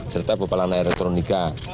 serta peperangan elektronika